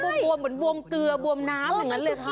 วมเหมือนบวมเกลือบวมน้ำอย่างนั้นเลยค่ะ